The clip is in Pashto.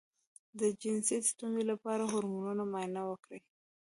د جنسي ستونزې لپاره د هورمونونو معاینه وکړئ